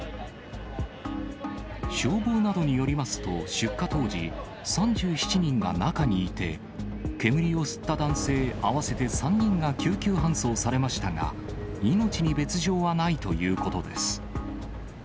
消防などによりますと、出火当時、３７人が中にいて、煙を吸った男性合わせて３人が救急搬送されましたが、命に別状はないということです。